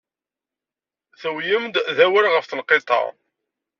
Tuwyem-d awal ɣef tenqiḍt-a.